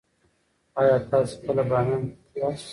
ایا تاسې کله بامیانو ته تللي یاست؟